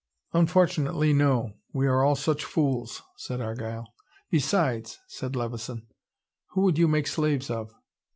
"Unfortunately no. We are all such fools," said Argyle. "Besides," said Levison, "who would you make slaves of?"